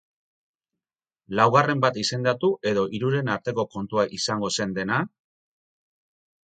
Laugarren bat izendatu edo hiruren arteko kontua izango zen dena?